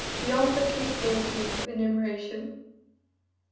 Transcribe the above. beyond the capability of enumeration.